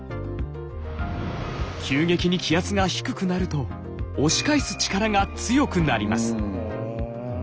急激に気圧が低くなると押し返す力が強くなります。